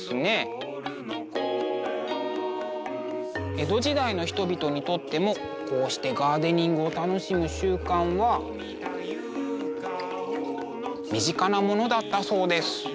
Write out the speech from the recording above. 江戸時代の人々にとってもこうしてガーデニングを楽しむ習慣は身近なものだったそうです。